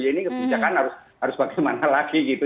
ini kebijakan harus bagaimana lagi gitu